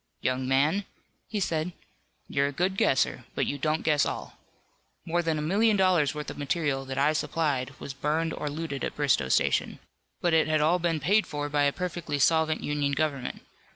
"Young man," he said, "you're a good guesser, but you don't guess all. More than a million dollars worth of material that I supplied was burned or looted at Bristoe Station. But it had all been paid for by a perfectly solvent Union government.